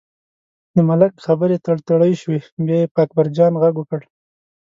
د ملک خبرې تړتړۍ شوې، بیا یې په اکبرجان غږ وکړ.